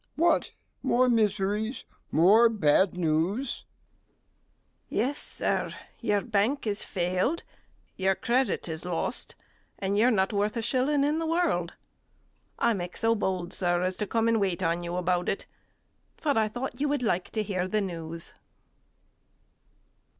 G. What? more miseries, more bad news! STEWARD. Yes, Sir, your bank has failed, your credit is lost and you're not worth a shilling in the world. I make bold, Sir, to come and wait on you about it; for I thought you would like to hear the news.